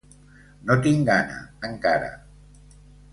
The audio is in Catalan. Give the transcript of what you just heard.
No tinc gana, encara.